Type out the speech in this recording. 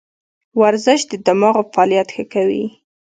ورزش د دماغو فعالیت ښه کوي.